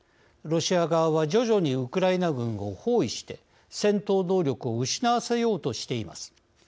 ロシア側は徐々にウクライナ軍を包囲して、戦闘能力を失わせようとしています。